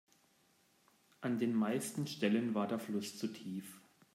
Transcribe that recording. An den meisten Stellen war der Fluss zu tief.